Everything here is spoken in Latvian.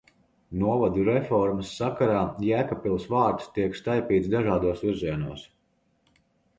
Novadu reformas sakarā Jēkabpils vārds tiek staipīts dažādos virzienos.